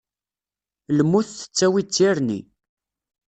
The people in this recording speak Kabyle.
Lmut tettawi d tirni.